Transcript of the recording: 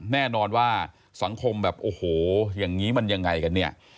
แน่นอนว่าสังคมแบบโอ้โหอย่างนี้มันยังไงกันเนี่ย